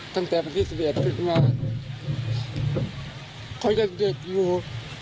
ตั้งแต่ประเทศอเศษมากเพราะฉะนั้นเด็กอยู่